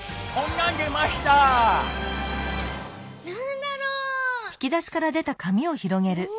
なんだろう？